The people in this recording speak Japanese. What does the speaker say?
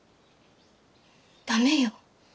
駄目よ。